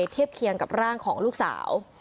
เทียบเคียงกับร่างของลูกสาว